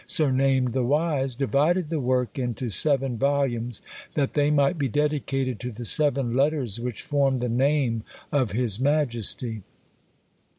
surnamed the Wise, divided the work into seven volumes; that they might be dedicated to the seven letters which formed the name of his majesty!